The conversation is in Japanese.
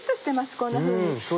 こんなふうに。